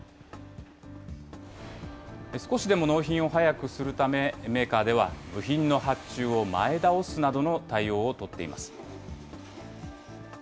少しでも納品を早くするため、メーカーでは部品の発注を前倒すなどの対応を取っています。